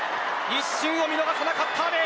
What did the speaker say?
一瞬を見逃さなかった阿部。